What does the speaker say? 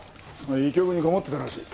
医局にこもってたらしい。